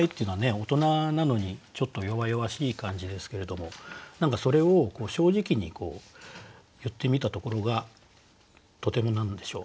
大人なのにちょっと弱々しい感じですけれども何かそれを正直に言ってみたところがとても何でしょう